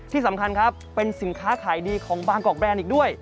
ที่สำคัญครับเป็นสินค้าขายดีของบางกอกแรนด์อีกด้วย